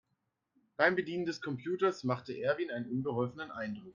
Beim Bedienen des Computers machte Erwin einen unbeholfenen Eindruck.